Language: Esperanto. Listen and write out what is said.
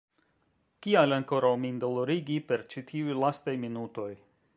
Kial ankoraŭ min dolorigi per ĉi tiuj lastaj minutoj?